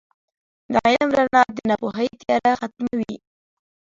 • د علم رڼا د ناپوهۍ تیاره ختموي.